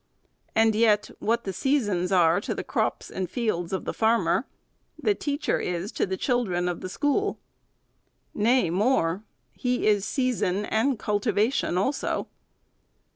And yet what the seasons are to the fields and crops of the farmer, the teacher is to the children of the school. Nay, more ; he is season and cultivation also.